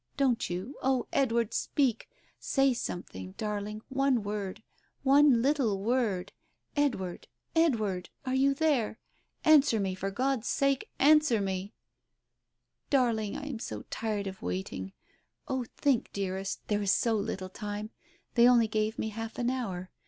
Don't you ? Oh, Edward, speak ! Say something, darling, one word — one little word ! Edward ! Edward I Digitized by Google 98 TALES OF THE UNEASY are you there? Answer me for God's sake, answer me! " Darling, I am so tired of waiting. Oh, think, dear est. There is so little time. They only gave me half an hour.